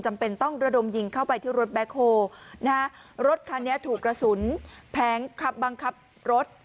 จำเป็นต้องระดมยิงเข้าไปที่รถแบ็คโฮลนะฮะรถคันนี้ถูกกระสุนแผงขับบังคับรถ